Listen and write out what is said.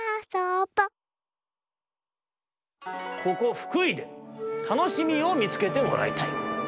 ここ福井でたのしみをみつけてもらいたい。